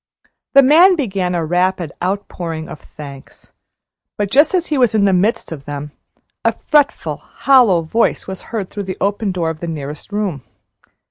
The man began a rapid outpouring of thanks; but, just as he was in the midst of them, a fretful, hollow voice was heard through the open door of the nearest room.